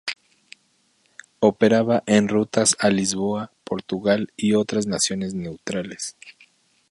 Operaba en rutas a Lisboa, Portugal y otras naciones neutrales.